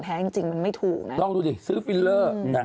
อาจมีจริงมันไม่ถูกนะลองดูซื้อฟิลเลอร์